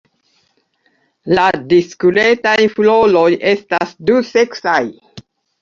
La diskretaj floroj estas duseksaj.